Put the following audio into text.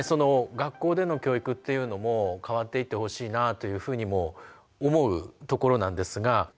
学校での教育というのも変わっていってほしいなというふうにも思うところなんですが。